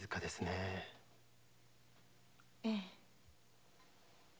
ええ。